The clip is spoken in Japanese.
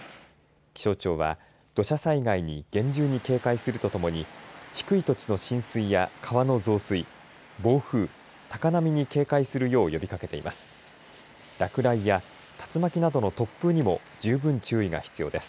気象庁は土砂災害に厳重に警戒するとともに低い土地の浸水や川の増水暴風、高波に警戒するよう呼びかけています。